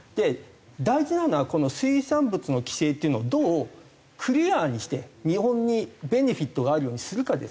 大事なのは水産物の規制っていうのをどうクリアにして日本にベネフィットがあるようにするかですよね。